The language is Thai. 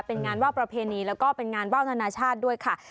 เป็นงานว่าวประเพณีแล้วก็เป็นงานว่าวนานาชาติด้วยค่ะ